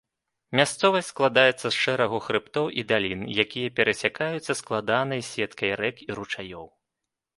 Мясцовасць складаецца з шэрагу хрыбтоў і далін, якія перасякаюцца складанай сеткай рэк і ручаёў.